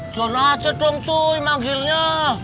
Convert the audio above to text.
jono aja dong cuy manggilnya